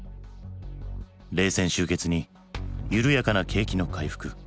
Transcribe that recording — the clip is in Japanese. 冷戦終結に緩やかな景気の回復。